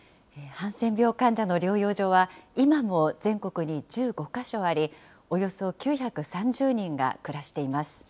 ハンセン病患者の療養所は、今も全国に１５か所あり、およそ９３０人が暮らしています。